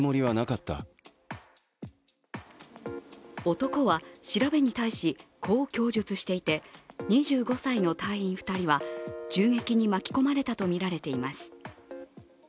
男は調べに対し、こう供述していて、２５歳の隊員２人は銃撃に巻き込まれたとみられています。